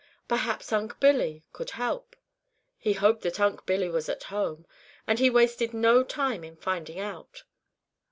Perhaps Unc' Billy could help. He hoped that Unc' Billy was at home, and he wasted no time in finding out.